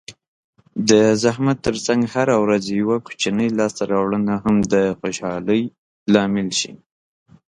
د زحمت ترڅنګ هره ورځ یوه کوچنۍ لاسته راوړنه هم د خوشحالۍ لامل شي.